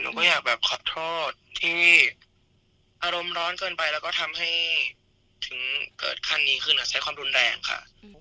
ไม่อยากแบบขอโทษที่อารมณ์ร้อนเกินไปแล้วก็ทำให้ถึงเกิดขั้นนี้ขึ้นใช้ความรุนแรงค่ะ